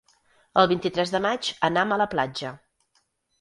El vint-i-tres de maig anam a la platja.